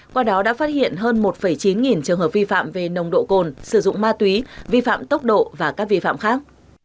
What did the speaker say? qua đó đã phát hiện hơn một chín trường hợp vi phạm về nồng độ cồn sử dụng ma túy vi phạm tốc độ và các vi phạm khác